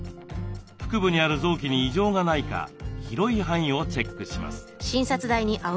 腹部にある臓器に異常がないか広い範囲をチェックします。